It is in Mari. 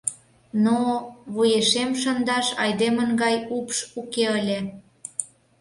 Но... вуешем шындаш айдемын гай упш уке ыле.